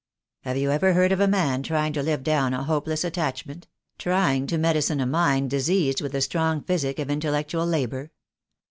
"Have you ever heard of a man trying to live down a hopeless attachment — trying to medicine a mind dis eased with the strong physic of intellectual labour.